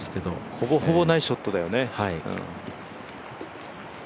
ほぼほぼナイスショットだよね。